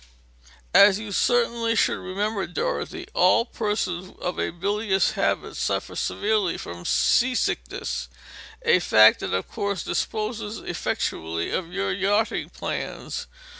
"As you certainly should remember, Dorothy, all persons of a bilious habit suffer severely from seasickness; a fact that, of course, disposes effectually of your yachting plans.